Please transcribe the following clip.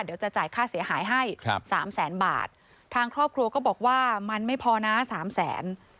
เดี๋ยวจะจ่ายค่าเสียหายให้ครับสามแสนบาททางครอบครัวก็บอกว่ามันไม่พอนะสามแสน